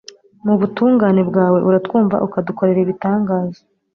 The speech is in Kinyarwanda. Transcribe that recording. mu butungane bwawe, uratwumva ukadukorera ibitangaza